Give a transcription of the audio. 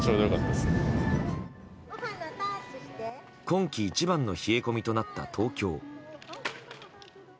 今季一番の冷え込みとなった東京。